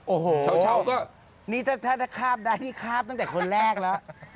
โอ้โหเช่าก็นี่ถ้าคาบได้นี่คาบตั้งแต่คนแรกแล้ว